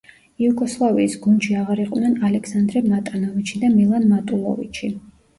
იუგოსლავიის გუნდში აღარ იყვნენ ალექსანდრე მატანოვიჩი და მილან მატულოვიჩი.